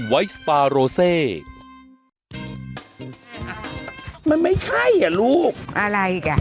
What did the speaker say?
ไม่ใช่แม่ตำแจ่วเหรอ